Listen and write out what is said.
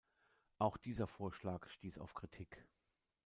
Auch dieser Vorschlag stieß auf Kritik.